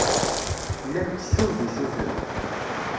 Llan ttessun-d usuten.